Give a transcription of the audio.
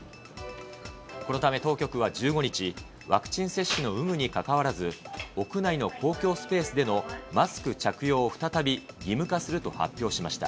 このため、当局は１５日、ワクチン接種の有無にかかわらず、屋内の公共スペースでのマスク着用を再び義務化すると発表しました。